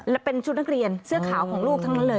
และเป็นชุดนักเรียนเสื้อขาวของลูกทั้งนั้นเลย